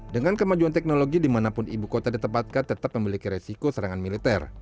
dengan kemajuan teknologi dimanapun ibu kota ditempatkan tetap memiliki resiko serangan militer